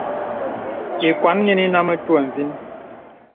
Ìkwàn nīn inə ā mə̀twə̂ vìn.